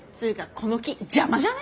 この木邪魔じゃね？